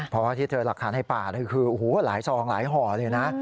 เพราะว่าที่เจอหลักฐานในป่าคือโอ้โหหลายซองหลายห่อเลยนะ